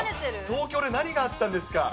東京で何があったんですか。